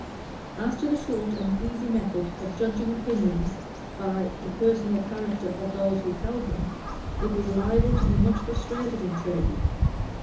As to the short and easy method of judging opinions by the personal character of those who held them, it was liable to be much frustrated in Treby.